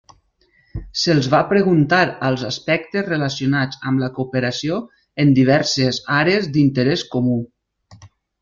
Se'ls va preguntar als aspectes relacionats amb la cooperació en diverses àrees d'interès comú.